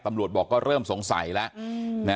ตำรวจบอกก็เริ่มสงสัยแล้ว